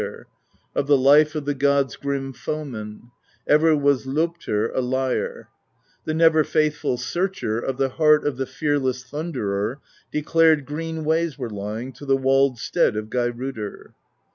124 PROSE EDDA Of the life of the gods' grim foemen; — (Ever was Loptr a liar) — The never faithful Searcher Of the heart of the fearless Thunderer Declared green ways were lying To the walled stead of Geirrodr.